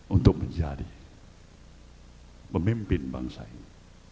untuk menjadi pemimpin bangsa ini